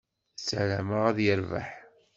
Ssarameɣ ad yerbeḥ.